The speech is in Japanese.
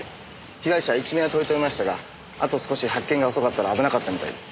被害者は一命を取り留めましたがあと少し発見が遅かったら危なかったみたいです。